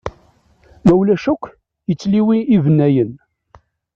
Ma ulac akk, yettliwi ibennayen.